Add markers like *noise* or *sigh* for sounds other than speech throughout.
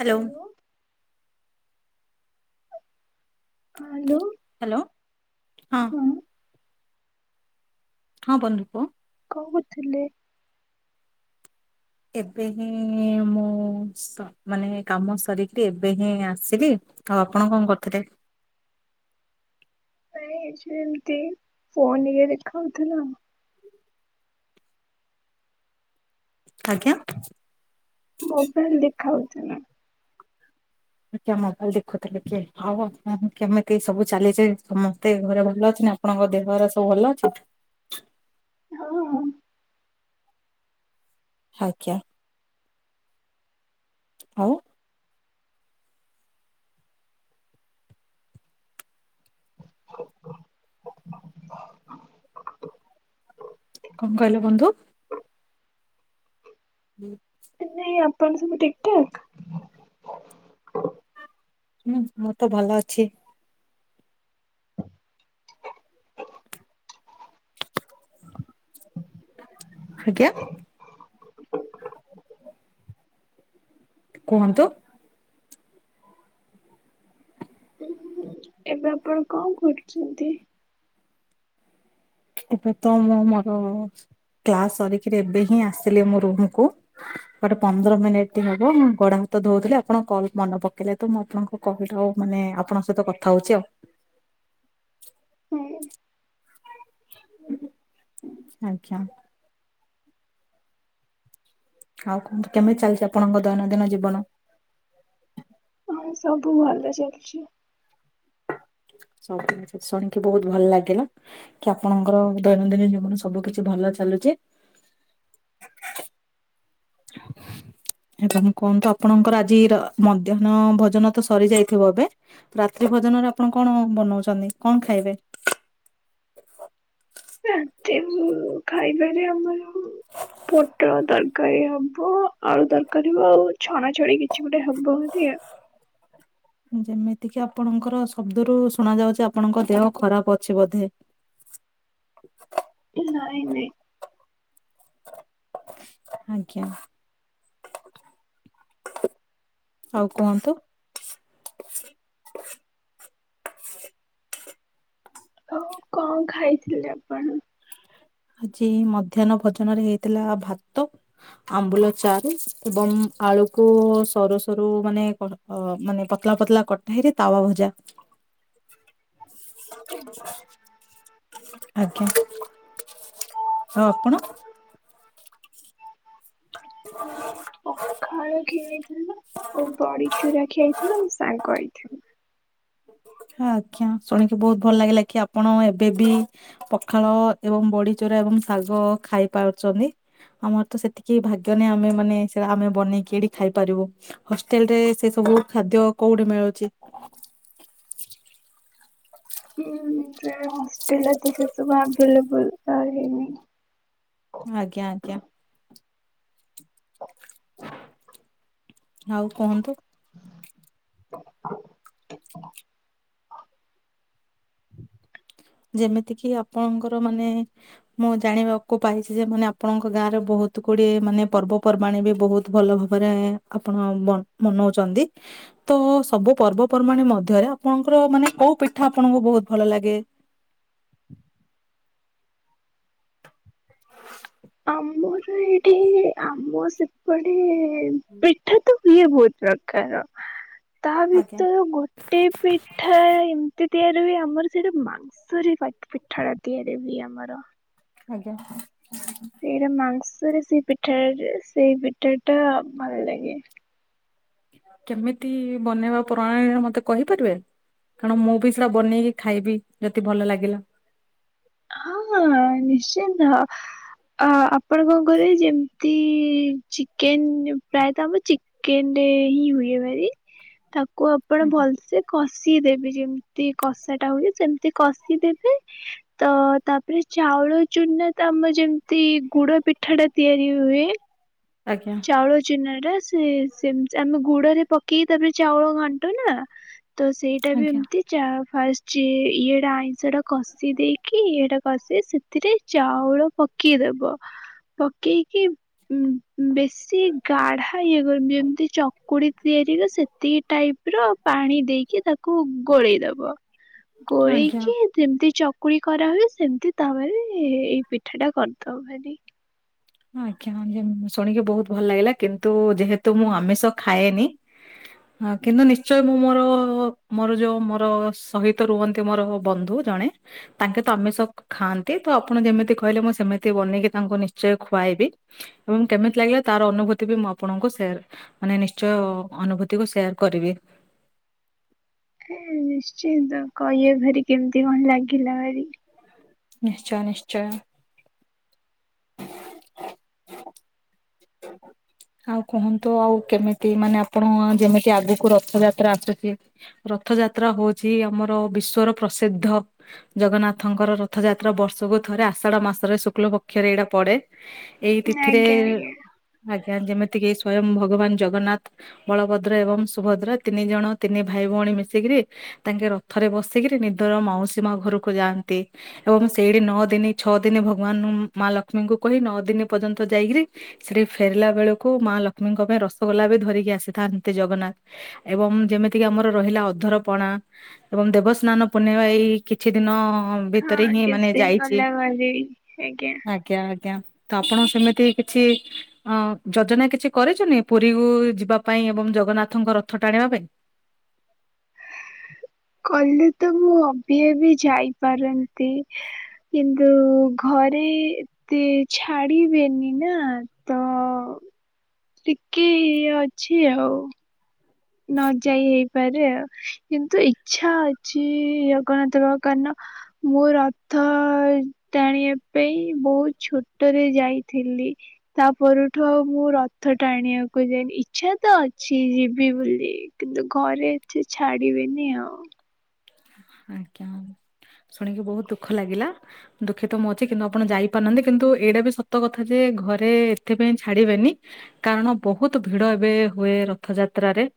Hello. Hello. Hello ହଁ। ହଁ ବନ୍ଧୁ କୁହ। କଣ କରୁଥିଲେ? ଏବେ ହିଁ ମୁଁ ସ ମାନେ କାମ ସାରିକି ଏବେ ହିଁ ଆସିଲି। ଆଉ ଆପଣ କଣ କରୁଥିଲେ? ନାଇଁ ଏ ଏମତି ଫୋନ ୟେ ଦେଖାଉଥିଲା। ଆଜ୍ଞା। ମୋବାଇଲ୍ ଦେଖାହୋଉଥିଲା। ଆଜ୍ଞା, ମୋବାଇଲ ଦେଖୁଥିଲେ କି? ଆଉ ଆପଣ କେମିତି ସବୁ ଚାଲିଛି, ସମସ୍ତେ ଘରେ ଭଲ ଅଛି ନା? ଆପଣଙ୍କ ଦେହର ସବୁ ଭଲ ଅଛି? ହଁ। ଆଜ୍ଞା, ଆଉ? *inaudible* କଣ କହିଲ ବନ୍ଧୁ? *inaudible* ତିନ୍ନି ଆପଣ ସବୁ ଠିକ୍ ଠାକ୍। ହୁଁ, ମୁଁ ତ ଭଲ ଅଛି। ଆଜ୍ଞା! *inaudible* କୁହନ୍ତୁ? ଏବେ ଆପଣ କଣ କରୁଛନ୍ତି? ଏବେ ତ ମୁଁ ମୋର କ୍ଲାସ୍ ସରି କିରି ଏବେ ହିଁ, ଆସିଲି ମୋ ରୁମକୁ। ଗଟ ପନ୍ଦର ମିନିଟ୍ ହବ, ମୁଁ ଗୋଡ ହାତ ଧଉଥିଲି ଆପଣ କଲ୍ ମନେ ପକେଇଲେ, ତ ମୁଁ ଆପଣଙ୍କୁ କହି ଡଉ, ମାନେ ଆପଣଙ୍କ ସହିତ କଥା ହଉଛି ଆଉ। ହୁଁ। ଆଜ୍ଞା। ଆଉ, କୁହନ୍ତୁ କେମିତି ଚାଲିଛି, ଆପଣଙ୍କ ଦୈନନ୍ଦିନ ଜୀବନ? ଆଉ ସବୁ ଭଲ ଚାଲିଛି। ସବୁ କିଛି ଶୁଣିକି ବହୁତ ଭଲ ଲାଗିଲା। କି ଆପଣଙ୍କର ଦୈନନ୍ଦିନ ଜୀବନ ସବୁ କିଛି ଭଲ ଚାଲୁଛି। *inaudible* ଏବଂ କୁହନ୍ତୁ ଆପଣଙ୍କର ଆଜି ର ମଧ୍ୟାହ୍ନ ଭୋଜନ ତ ସରି ଯାଇଥିବ ଏବେ? ରାତ୍ରି ଭୋଜନରେ ଆପଣ କଣ ବନଉଛନି? କଣ ଖାଇବେ? ରାତି ମୁଁ ଖାଇବାରେ ଆମର ହଉ ପୋଟଳ ତରକାରୀ ହବ, ଆଳୁ ତରକାରୀ ହବ, ଆଉ ଛଣା ଛଣି କିଛ୍ କିଛି ଗୋଟେ ହବ ଭାରି ଆ ଯେମିତି କିି ଆପଣଙ୍କର ଶବ୍ଦରୁ ଶୁଣା ଯାଉଛି, ଆପଣଙ୍କ ଦେହ ଖରାପ ଅଛି ବୋଧେ? ନାଇଁ ନାଇଁ। ଆଜ୍ଞା, ଆଉ କୁହନ୍ତୁ? ଆଉ, କଁ ଖାଇଥିଲେ ଆପଣ? ଆଜି ମଧ୍ୟାନ୍ନ ଭୋଜନ ରେ ହେଇଥିଲା ଭାତ, ଆମ୍ବୁଲ ଚାରୁ ଏବଂ ଆଳୁକୁ ସରୁ ସରୁ ମାନେ କଣ? ଅ ମାନେ ପତଳା ପତଳା କଟାହେଇରି ତାୱା ଭଜା। ହୁଁ। *unintelligible* ଆଜ୍ଞା। ଆ ଆପଣ? ଆମେ ପଖାଳ ଖିଳିଥିଲା। ଆଉ ବଡି ଚୁରା ଖିଆ ହେଇଥିଲା, ମୋ ସାଙ୍ଗ ଆ ଇଥିଲା। ଆଜ୍ଞା, ଶୁଣିକି ବହୁତ ଭଲ ଲାଗିଲା କି ଆପଣ ଏବେ ବି ପଖାଳ ଏବଂ ବଡିଚୁରା ଏବଂ ଶାଗ ଖାଇପାରୁଚନି। ଆମର ତ ସେତିକି ଭାଗ୍ୟ ନାହିଁ, ଆମେ ମାନେ ସେ ଆମେ ବନେଇକି ଏଠି ଖାଇପାରିବୁ। ହଷ୍ଟେଲ ରେ ସେ ସବୁ ଖାଦ୍ୟ କୋଉଠି ମିଳୁଛି? ହୁଁ, ଯେ ହଷ୍ଟେଲ ତ ସେ ସବୁ ଆଭେଲେବଲ୍ ତ ହେଇନି। ଆଜ୍ଞା ଆଜ୍ଞା। ଆଉ କୁହନ୍ତୁ। *unintelligible* ଯେମିତିକି ଆପଣଙ୍କର ମାନେ ମୁଁ ଜାଣିବାକୁ ପାଇଛି ଯେ ମାନେ ଆପଣଙ୍କ ଗାଁ ରେ ବହୁତ୍ ଗୁଡିଏ ମାନେ ପର୍ବପର୍ବାଣି ବି ବହୁତ୍ ଭଲ ଭାବରେ ଆପଣ ବନ୍ ମନଉଚନ୍ତି। ତ ସବୁ ପର୍ବପର୍ବାଣି ମଧ୍ୟରେ ଆପଣଙ୍କର ମାନେ କୋଉ ପିଠା ଆପଣଙ୍କୁ ବହୁତ୍ ଭଲ ଲାଗେ? *inaudible* ଆମର ଏଇଠି ଆମ ସେପଟେ ପିଠା ତ ଇଏ ବହୁତ୍ ପ୍ରକାର ତା ଆଜ୍ଞା ଭିତରୁ ଗୋଟେ ପି ଠା ଏମ୍ତି ତିଆରି ହୁଏ ଆମର ସେଇଟା ମାଂସରେ ପିଠା ଟା ତିଆରି ହୁଏ ଆମର। ଆଜ୍ଞା। ସେଇଟା ମାଂସରେ ସେଇ ପିଠା ଟା ସେଇ ପିଠା ଟା ଭଲ୍ ଲାଗେ। କେମିତି ବନେଇବା ପ୍ରଣାଳୀରେ ମତେ କହିପାରିବେ। କାରଣ ମୁଁ ବି ସେଇଟା ବନେଇକି ଖାଇବି ଯଦି ଭଲ ଲାଗିଲା। ହଁ ନିଶ୍ଚିନ୍ତ। ଅ ଆପଣ କଣ କରିବେ ଯେମ୍ତି ଚିକେନ୍ ପ୍ରାୟତଃ ଆମ ଚି କେନ୍ ରେ ହିଁ ହୁଏ *unintelligible* ତାକୁ ଆପଣ ଭଲ୍ସେ କଷିଦେବେ ଯେମ୍ତି କଷା ଟା ହୁଏ ସେମ୍ତି କଷିଦେବେ। ତ ତାପରେ ଚାଉଳ ଚୁନା ତ ଆମର ଯେମ୍ତି ଗୁଡ ପିଠା ଟା ତିଆରି ହୁଏ ଆଜ୍ଞା। ଚାଉଳ ଚୁନା ଟା ସେ ସେମ୍ ଆମେ ଗୁଡରେ ପକେଇକି ତାପରେ ଚାଉଳ ଘାଣ୍ଟୁ ନା। ତ ସେଇଟା ବି ଆଜ୍ଞା ଏମ୍ତି ଚା ଫାଷ୍ଟ ଚେ ଇଏଟା ଆଇଁଷଟା କଷି ଦେଇକି ଇଏଟା କଷି ସେଥିରେ ଚାଉଳ ପ କେଇଦବ ପକେଇକି ଉଁ ବେଶୀ ଗାଢା ଇଏ *unintelligible* ଯେମ୍ତି ଚକୁଳି ତିଆରିି ହୁଏ ସେତିକି ଟାଇପ୍ ର ପାଣି ଦେଇକି ତାକୁ ଗୋଳେଇଦବ ଆଜ୍ଞା ଗୋଳେଇକି ଯେମ୍ତି ଚକୁଳି କରାହୁଏ ସେମ୍ତି ତାୱାରେ ଏଇ ପିଠା ଟା କରିଦବ ଭାରି। ଆଜ୍ଞା-ଆଜ୍ଞା ଶୁଣିକି ବହୁତ୍ ଭଲ୍ ଲାଗିଲା କିନ୍ତୁ ଯେହେତୁ ମୁଁ ଆମିଷ ଖାଏନି କିନ୍ତୁ ନିଶ୍ଚୟ ମୁଁ ମୋର-ମୋର ଯୋଉ ମୋର ସହିତ ରୁହନ୍ତି ମୋର ବନ୍ଧୁ ଜଣେ ତାଙ୍କେ ତ ଆମିଷ ଖାଆନ୍ତି, ତ ଆପଣ ଯେମିତି କହିଲେ ମୁଁ ସେମିତି ବନେଇକି ତାଙ୍କୁ ନିଶ୍ଚୟ ଖୁଆଇବି ଏବଂ କେମିତି ଲାଗିଲା ତାର ଅନୁଭୂତି ବି ମୁଁ ଆପଣଙ୍କୁ ସେୟାର୍ ମାନେ ନିଶ୍ଚୟ ଅନୁଭୂତି କୁ ସେୟାର୍ କରିବି। ନିଶ୍ଚିନ୍ତ କହିବେ ଭାରି କେମିତି କଣ ଲାଗିଲା ଭାରି। ନିଶ୍ଚୟ-ନିଶ୍ଚୟ। ଆଉ କୁହନ୍ତୁ ଆଉ କେମିତି ମାନେ ଆପଣ ଯେମିତି ଆଗକୁ ରଥଯାତ୍ରା ଆସୁଛି। ରଥଯାତ୍ରା ହଉଛି ଆମର ବିଶ୍ଵର ପ୍ରସିଦ୍ଧ ଜଗନ୍ନାଥଙ୍କର ରଥଯାତ୍ରା ବର୍ଷକୁ ଥରେ ଆଷାଢ ମାସରେ ଶୁକ୍ଲ ପକ୍ଷରେ ଏଇଟା ପଡେ। ଏଇ ତିଥିରେ ଆଜ୍ଞା ଆଜ୍ଞା ଆଜ୍ଞା ଯେମିତି କିି ସ୍ଵୟଂ ଭଗବାନ ଜଗନ୍ନାଥ ବଳଭଦ୍ର ଏବଂ ସୁଭଦ୍ରା ତିନି ଜଣ ତିନି ଭାଇ ଭଉଣୀ ମିଶିକିରି ତାଙ୍କେ ରଥରେ ବସିକିରି ନିଦର ମାଉସୀ ମା ଘରକୁ ଯାଆନ୍ତି। ଏବଂ ସେଇଠି ନଅ ଦିନି ଛଅ ଦିନି ଭଗବାନ୍ ମା ଲକ୍ଷ୍ମୀଙ୍କୁ କହି ନଅ ଦିନି ପର୍ଯ୍ୟନ୍ତ ଯାଇକିରି ସେଠି ଫେରିଲା ବେଳକୁ ମା ଲକ୍ଷ୍ମୀଙ୍କ ପାଇଁ ରସଗୋଲା ବି ଧରିକି ଆସିଥାନ୍ତି ଜଗନ୍ନାଥ। ଏବଂ ଯେମିତିକି ଆମର ରହିଲା ଅଧରପଣା ଏବଂ ଦେବସ୍ନାନ ପୂର୍ଣ୍ଣିମା ଏଇ କିଛି ଦିନ ଭିତରେ ହଁ ହିଁ କିଛି ମାନେ ଦିନ ଯାଇଚି। ଗଲା ଭାରି ଆଜ୍ଞା। ତ ଆପଣ ସେମିତି କିଛି ଅଁ ଯୋଜନା କିଛି କରିଚନ୍ତି ପୁରୀକୁ ଯିବା ପାଇଁ ଏବଂ ଜଗନ୍ନାଥଙ୍କ ରଥ ଟାଣିବା ପାଇଁ। କଲେ ତ ମୁଁ ଅଭି ଅଭି ଯାଇପାରନ୍ତି କିନ୍ତୁ ଘରେ ଏତେ ଛାଡିବେନି ନା ତ ଟିକେ ଇଏ ଅଛି ଆଉ, ନ ଯାଇ ହେଇ ପାରେ ଆଉ କିନ୍ତୁ ଇଚ୍ଛା ଅଛି ଜଗନ୍ନାଥ କାରଣ ମୁ ରଥ ଟାଣିଆ ପାଇଁ ବହୁତ୍ ଛୋଟରେ ଯାଇଥିଲି। ତା ପରଠୁ ଆଉ ମୁଁ ରଥ ଟାଣିବାକୁ ଯାଇନି, ଇଚ୍ଛା ତ ଅଛି ଯିବି ବୋଲି। ଏ କିନ୍ତୁ ଘରେ ଏଠି ଛାଡିବେନି ଆଉ। ଆଜ୍ଞା ଶୁଣିକି ବୋହୁତ ଦୁଃଖ ଲାଗିଲା। ଦୁଃଖିତ ମୁଁ ଅଛି କିନ୍ତୁ ଆପଣ ଯାଇପାରୁନାହାନ୍ତି ଯେ କିନ୍ତୁ ଏଇଟା ବି ସତ କଥା ଯେ ଘରେ ଏଥିପାଇଁ ଛାଡିବେନି କାରଣ ବୋହୁତ ଭିଡ ଏବେ ହୁଏ ରଥଯାତ୍ରାରେ।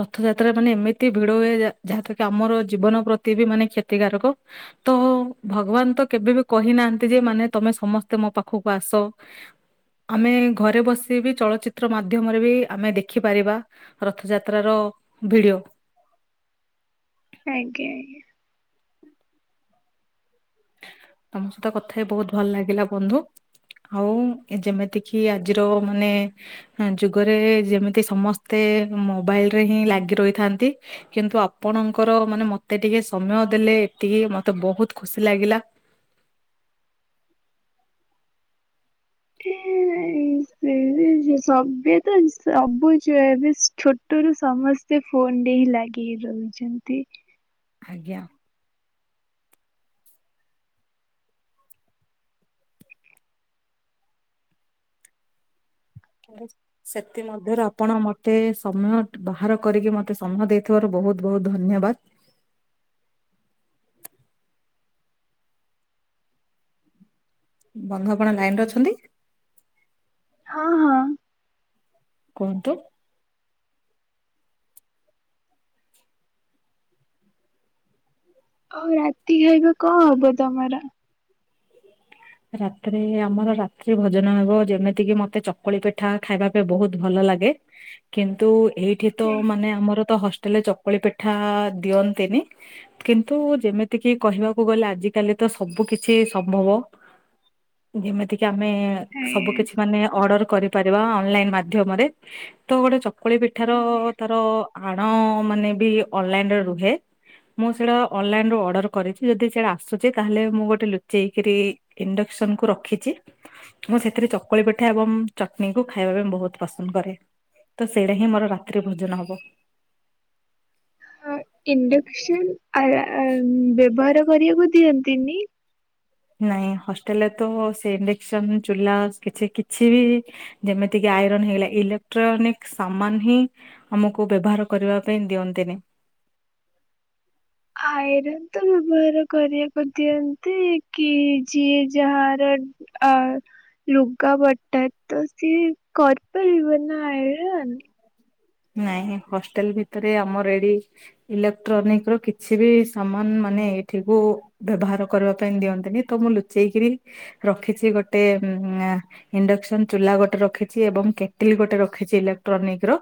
ରଥଯାତ୍ରା ମାନେ ଏମିତି ଭିଡ ହୁଏ ଯା ଯାହେତୁକି ଆମର ଜୀବନ ପ୍ରତି ବି ମାନେ କ୍ଷତିକାରକ। ତ ଭଗବାନ ତ କେବେ ବି କହି ନାହାନ୍ତି ଯେ ମାନେ ତମେ ସମସ୍ତେ ମୋ ପାଖୁକୁ ଆସ। ଆମେ ଘରେ ବସି ବି ଚଳଚିତ୍ର ମାଧ୍ୟମରେ ବି ଆମେ ଦେଖିପାରିବା। ରଥଯାତ୍ରର ଭିଡିଓ। ଆଜ୍ଞା ଆଜ୍ଞା। ତମ ସହିତ କଥା ହେଇ ବୋହୁତ ଭଲ ଲାଗିଲା ବନ୍ଧୁ। ଆଉ ଏ ଯେମିତିକିି ଆଜିର ମାନେ ହୁଁ ଯୁଗରେ ଯେମିତି ସମସ୍ତେ ମୋବାଇଲରେ ହିଁ ଲାଗି ରହିଥାନ୍ତି କିନ୍ତୁ ଆପଣଙ୍କର ମାନେ ମତେ ଟିକେ ସମୟ ଦେଲେ ଏତିକି ମତେ ବୋହୁତ ଖୁସି ଲାଗିଲା। *unintelligible* ଉଁ ସଭିଏଁ ତ ସବୁ ଯା ଏବେ ଛୋଟରୁୁ ସମସ୍ତେ ଫୋନରେ ହିଁ ଲାଗିକି ରୁହ ଛନ୍ତି। ଆଜ୍ଞା। *unintelligible* ସେଥିମଧ୍ୟରୁ ଆପଣ ମତେ ସମୟ ଟିକ୍ ବାହାର କରିକି ମତେ ସମୟ ଦେଇଥିବାରୁ ବୋହୁତ ବୋହୁତ ଧନ୍ୟବାଦ୍। ବନ୍ଧୁ ଆପଣ ଲାଇନରେ ଅଛନ୍ତି? ହଁ ହଁ। କୁହନ୍ତୁ। ଆଉ ରାତିରେ ଏବେ କଁ ହବ ତମର? ରାତିରେ ଆମର ରାତ୍ରି ଭୋଜନ ହବ ଯେମିତିକି ମତେ ଚକୁଳି ପିଠା ଖାଇବା ପାଇଁ ବୋହୁତ ଭଲ ଲାଗେ। କିନ୍ତୁ ଏଇଠି ତ ମାନେ ଆମର ତ ହଷ୍ଟେଲରେ ଚକୁଳି ପିଠା ଦିଅନ୍ତିନି। କିନ୍ତୁ ଯେମିତିକି କହିବାକୁ ଗଲେ ଆଜି କାଲି ତ ସବୁ କିଛି ସମ୍ଭବ। ଯେମିତିକି ଆମେ ସବୁ କିଛି ମାନେ ଅର୍ଡର କରିପାରିବା ଅନଲାଇନ୍ ମାଧ୍ଯମରେ ତ ଗୋଟେ ଚକୁଳି ପିଠାର ତା ର ଆଣ ମାନେ ବି ଅନଲାଇନରେ ରୁହେ। ମୁଁ ସେଡା ଅନଲାଇନରୁ ଅର୍ଡର କରିଚି ଯଦି ସେଡା ଆସୁଚି ତାହେଲେ ମୁଁ ଗୋଟେ ଲୁଚେଇକିରି ଇଣ୍ଡକ୍ସନକୁ ରଖିଚି। ମୁଁ ସେଥିରେ ଚକୁଳି ପିଠା ଏବଂ ଚଟଣିକୁ ଖାଇବା ପାଇଁ ବୋହୁତ ପସନ୍ଦ କରେ। ତ ସେଇଟା ହିଁ ମୋର ରାତ୍ରି ଭୋଜନ ହବ। ହଁ ଇଣ୍ଡକ୍ସନ୍ ଆର ଆର ଉଁ ବେବହାର କରିବାକୁ ଦିଅନ୍ତିନି। ନାଇଁ ହଷ୍ଟେଲରେ ତ ସେ ଇଣ୍ଡେକ୍ସନ ଚୁଲା ସ୍ କିଛି କିଛି ବି ଯେମିତିକି ଆଇରନ୍ ହେଇଗଲା ଇଲୋକ୍ଟ୍ରୋନିକ୍ ସାମାନ୍ ହିଁ ଆମୁକୁ ବେବହାର କରିବା ପାଇଁ ଦିଅନ୍ତିନି। ଆଇରନ୍ ତ ବେବହାର କରିବାକୁ ଦିଅନ୍ତି କି ଯିଏ ଯାହାର ଡ୍ ଆ ଲୁଗାପଟା ତ ସିଏ କରପାରିବ ନା ଆଇରନ୍। ନାହିଁ ହଷ୍ଟେଲ ଭିତରେ ଆମର ଏଡି ଇଲୋକ୍ଟ୍ରୋନିକର କିଛି ବି ସାମାନ୍ ମାନେ ଏଇଠିକୁ ବ୍ୟବହାର କରିବା ପାଇଁ ଦିଅନ୍ତିନି ତ ମୁଁ ଲୁଚେଇକିରି ରଖିଛି ଗୋଟେ ହୁଁ ଉଁ ଆଁ ଇଣ୍ଡକ୍ସନ ଚୁଲା ଗୋଟେ ରଖିଛି ଏବଂ କେଟିଲି ଗୋଟେ ରଖିଛି ଇଲେକ୍ଟ୍ରୋନିକର।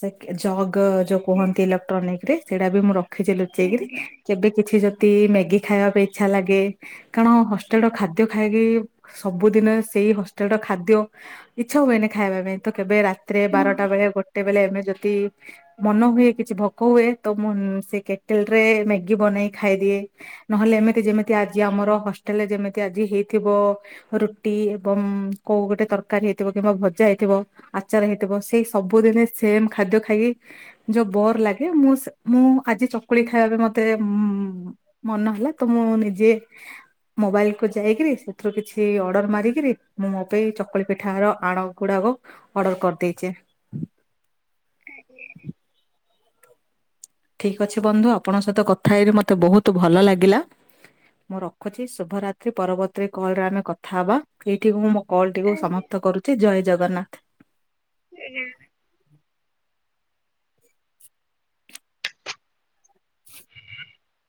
ସେ କେ ଜଗ ଯୋଉ କୁହନ୍ତି ଇଲେକ୍ଟ୍ରୋନିକରେ ସେଇଟା ବି ମୁଁ ରଖିଛି ଲୁଚେଇକରି ଆଜ୍ଞା। କେବେ କିଛି ଯଦି ମ୍ୟାଗି ଖାଇବା ପାଇଁ ଇଚ୍ଛା ଲାଗେ କାରଣ ହଷ୍ଟେଲର ଖାଦ୍ୟ ଖାଇକି ସବୁଦିନେ ସେଇ ହଷ୍ଟେଲର ଖାଦ୍ୟ ଇଚ୍ଛା ହୁଏନି ଖାଇବା ପାଇଁ ତ କେବେ ରାତିରେ ହଁ ବାରଟା ବେଳେ ଗୋଟେ ବେଳେ ଏମିତି ଯତି ମନ ହୁଏ କିଛି ଭୋକ ହୁଏ ତ ମୁଁ ସେ କେଟିଲରେ ମ୍ୟାଗି ବନେଇ ଖାଇଦିଏ। ନହେଲେ ଏମିତି ଯେମିତି ଆଜି ଆମର ହଷ୍ଟେଲରେ ଯେମିତି ଆଜି ହେଇଥିବ। ରୁଟି ଏବଂ କୋଉ ଗୋଟେ ତରକାରୀ ହେଇଥିବ କିମ୍ବା ଭଜା ହେଇଥିବ ଆଚାର ହେଇଥିବ ସେଇ ସ ସବୁଦିନେ ସେମ ଖାଦ୍ୟ ଖାଇକି ଯୋଉ ବୋର୍ ଲାଗେ ମୁଁ ସେ ମୁଁ ଆଜି ଚକୁଳି ଖାଇବା ପାଇଁ ମତେ ଉଁ ମନ ହେଲା ତ ମୁଁ ନିଜେ ମୋବାଇଲକୁୁ ଯାଇକିରି ସେଥିରୁ କିଛି ଅର୍ଡର ମାରିକିରି ମୁଁ ମୋ ପାଇଁ ଚକୁଳି ପିଠାର ଆଣ ଗୁଡ଼ାକ ଅର୍ଡ଼ର କରିଦେଇଛେ। ଠିକ୍ ଅଛି ବନ୍ଧୁ ଆପଣଙ୍କ ସହିତ କଥା ହେଇକି ମତେ ବହୁତ ଭଲ ଲାଗିଲା। ମୁଁ ରଖୁଛି ଶୁଭରାତ୍ରି ପରବର୍ତୀ କଲରେ ଆମେ କଥା ହବା ଏଇଠି ମୁଁ କଲ୍ ଟିକୁ ଆଜ୍ଞା। ସମାପ୍ତ କରୁଛି ଜୟ ଜଗନ୍ନାଥ। *inaudible*